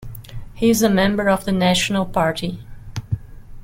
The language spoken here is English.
He is a member of the National Party.